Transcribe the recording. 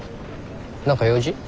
何か用事？